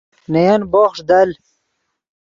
نے ین بوخݰ دل